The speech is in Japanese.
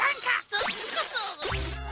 そっちこそ！